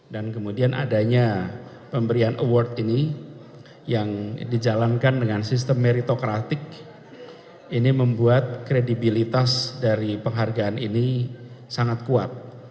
dan kemudian adanya pemberian award ini yang dijalankan dengan sistem meritokratik ini membuat kredibilitas dari penghargaan ini sangat kuat